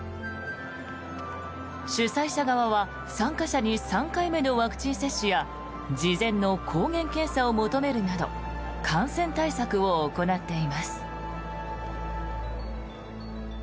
主催者側は参加者に３回目のワクチン接種や事前の抗原検査を求めるなど感染対策を行っています。